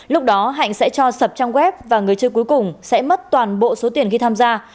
lúc đó hạnh sẽ cho sập trang web và người chơi cuối cùng sẽ mất toàn bộ số tiền khi tham gia